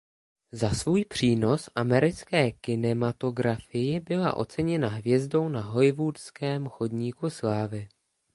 Za svůj přínos americké kinematografii byla oceněna hvězdou na Hollywoodském chodníku slávy.